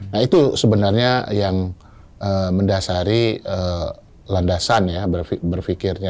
nah itu sebenarnya yang mendasari landasan ya berpikirnya